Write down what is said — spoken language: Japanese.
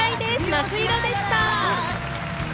「夏色」でした。